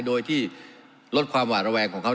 โดยที่ลดความหวาดระแวงของเขา